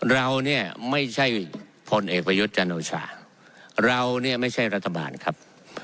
เราเนี่ยไม่ใช่พลเอกประยุทธ์จันโอชาเราเนี่ยไม่ใช่รัฐบาลครับ